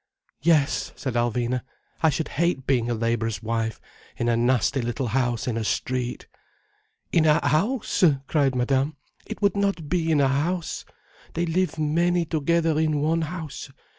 "Yes," said Alvina. "I should hate being a labourer's wife in a nasty little house in a street—" "In a house?" cried Madame. "It would not be in a house. They live many together in one house.